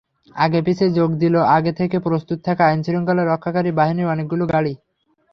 আগে-পিছে যোগ দিল আগে থেকে প্রস্তুত থাকা আইনশৃঙ্খলা রক্ষাকারী বাহিনীর অনেকগুলো গাড়ি।